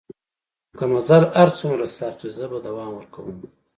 که مزل هر څومره سخت وي زه به دوام ورکوم.